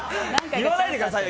言わないでくださいよ！